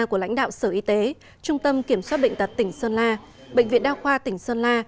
của lãnh đạo sở y tế trung tâm kiểm soát bệnh tật tỉnh sơn la bệnh viện đa khoa tỉnh sơn la